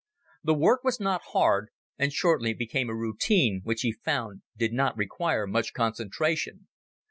The work was not hard, and shortly became a routine which he found did not require much concentration.